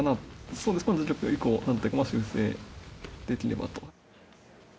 そうですね、次局以降、なんとか修正できればと。